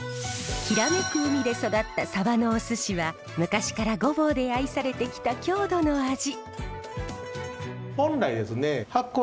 きらめく海で育ったサバのおすしは昔から御坊で愛されてきた郷土の味。